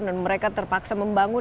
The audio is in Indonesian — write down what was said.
dan mereka terpaksa membangun